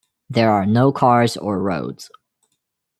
There are no cars or roads.